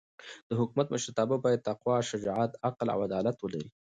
د حکومت مشرتابه باید تقوا، شجاعت، عقل او عدالت ولري.